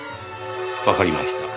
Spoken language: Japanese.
わかりました。